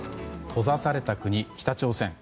閉ざされた国、北朝鮮。